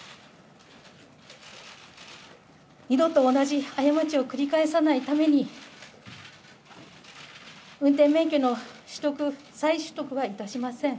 二度と同じ過ちを繰り返さないために、運転免許の取得、再取得はいたしません。